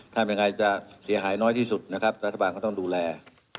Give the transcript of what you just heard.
ถ้าเป็นอย่างไรจะเสียหายน้อยที่สุดรัฐบาลก็ต้องดูแล